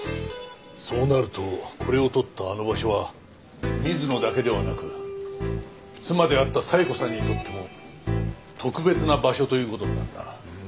そうなるとこれを撮ったあの場所は水野だけではなく妻であった冴子さんにとっても特別な場所という事になるな。